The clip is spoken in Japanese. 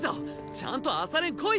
ちゃんと朝練来いよ！